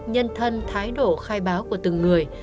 nhân thân thái độ khai báo của từng người